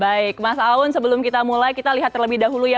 baik mas aun sebelum kita mulai kita lihat terlebih dahulu ya